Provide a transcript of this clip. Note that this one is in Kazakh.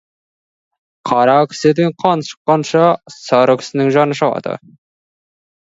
Қара кісіден қан шыққанша, сары кісінің жаны шығады.